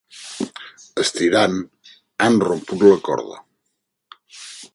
Estirant, han romput la corda.